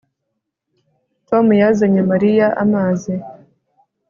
Tom yazanye Mariya amazi